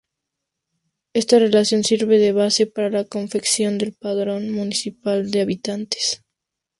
Esta relación sirve de base para la confección del padrón municipal de habitantes.